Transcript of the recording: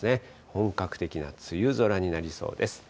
本格的な梅雨空になりそうです。